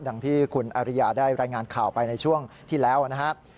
อย่างที่คุณอริยาได้รายงานข่าวไปในช่วงที่แล้วนะครับ